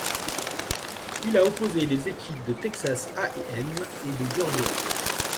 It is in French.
Il a opposé les équipes de Texas A&M et de Georgia.